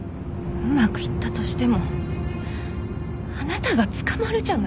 うまくいったとしてもあなたが捕まるじゃない